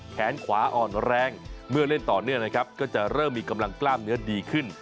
แขนขวาอ่อนแรงเมื่อเล่นต่อเนื่องนะครับก็จะเริ่มมีกำลังกล้ามเนื้อดีขึ้น